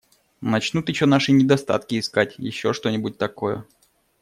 Начнут еще наши недостатки искать, еще что-нибудь такое.